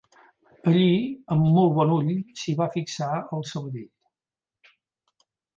Allí, amb molt bon ull, s'hi va fixar el Sabadell.